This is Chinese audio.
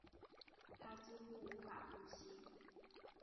她几乎无法呼吸